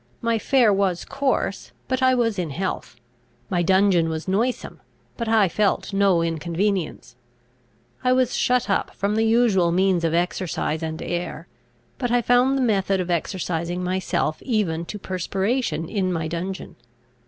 My fare was coarse; but I was in health. My dungeon was noisome; but I felt no inconvenience. I was shut up from the usual means of exercise and air; but I found the method of exercising myself even to perspiration in my dungeon.